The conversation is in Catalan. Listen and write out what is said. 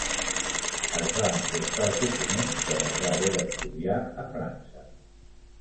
Es va emportar els documents quan es va haver d'exiliar a França.